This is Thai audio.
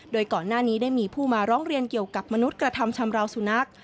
โดยก่อนหน้านี้ได้มีผู้มาร้องเรียนเกี่ยวกับมนุษย์กระทำชำราวสุนัข